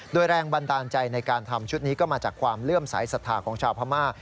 โดยแรงบันดาลใจในการทำชุดนี้ก็มาจากความเลื่อมสายศรัทธาของชาวพม่า